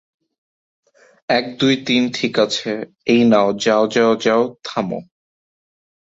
এক দুই তিন ঠিক আছে, এই নাও যাও যাও যাও - থামো।